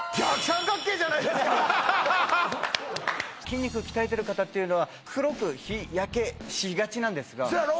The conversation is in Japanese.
筋肉を鍛えてる方っていうのは黒く日焼けしがちなんですがそやろ？